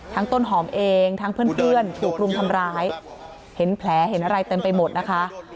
ต้นหอมเองทั้งเพื่อนถูกรุมทำร้ายเห็นแผลเห็นอะไรเต็มไปหมดนะคะ